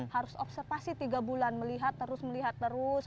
harus observasi tiga bulan melihat terus melihat terus